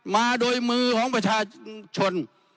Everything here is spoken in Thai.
มาโดยมือของประชาชน